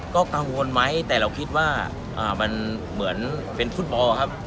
ก็กังวลไหมแต่เราคิดว่ามันเหมือนเป็นฟุตบอลครับ